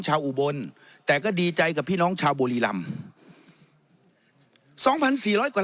ชาวอุบลแต่ก็ดีใจกับพี่น้องชาวบุรีรัมป์สองพันสี่ร้อยกว่า